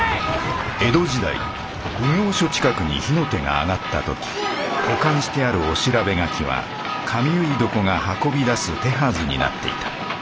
江戸時代奉行所近くに火の手が上がった時保管してある御調べ書きは髪結い床が運び出す手はずになっていた。